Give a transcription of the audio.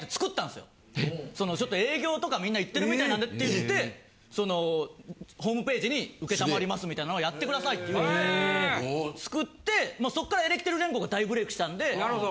営業とかみんな行ってるみたいなんでって言ってホームページに「承ります」みたいのをやって下さいって言って作ってそっからエレキテル連合が大ブレイクしたんで。